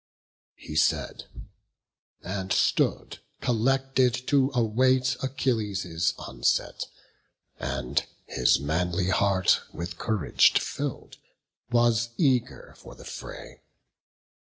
He said, and stood collected, to await Achilles' onset; and his manly heart, With courage fill'd, was eager for the fray.